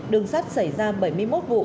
đường sắt xảy ra bảy mươi một vụ